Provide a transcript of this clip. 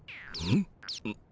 うん？